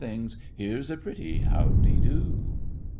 Here's a pretty how de do!